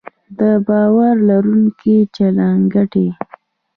د باور لرونکي چلند ګټې